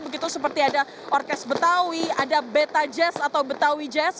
begitu seperti ada orkes betawi ada beta jazz atau betawi jazz